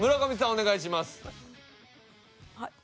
はい。